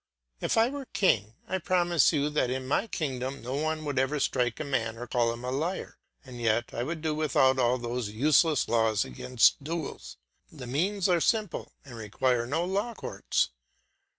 If I were king, I promise you that in my kingdom no one would ever strike a man or call him a liar, and yet I would do without all those useless laws against duels; the means are simple and require no law courts.